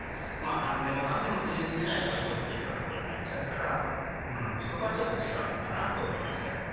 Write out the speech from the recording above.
何でもかんでも自由っていうのは糸の切れたたこになっちゃうからそこはちょっと違うのかなと思いましたけどね。